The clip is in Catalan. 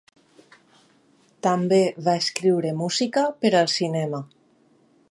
També va escriure música per al cinema.